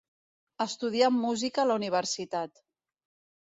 Estudià música a la universitat.